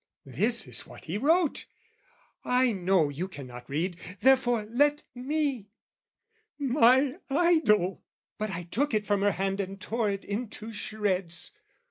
This is what he wrote. "I know you cannot read, therefore, let me! "'My idol!'"... But I took it from her hand And tore it into shreds.